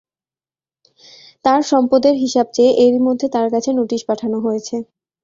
তাঁর সম্পদের হিসাব চেয়ে এরই মধ্যে তাঁর কাছে নোটিশ পাঠানো হয়েছে।